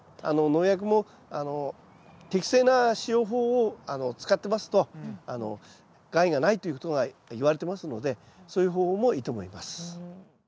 農薬も適正な使用法を使ってますと害がないということがいわれてますのでそういう方法もいいと思います。